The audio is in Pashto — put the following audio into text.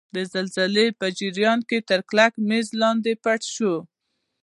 د زلزلې په جریان کې تر کلک میز لاندې پټ شئ.